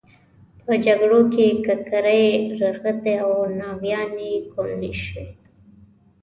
په جګړو کې ککرۍ رغښتې او ناویانې کونډې شوې.